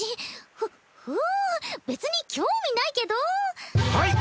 ふふん別に興味ないけどはい！